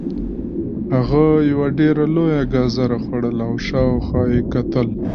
هغه یوه ډیره لویه ګازره خوړله او شاوخوا یې کتل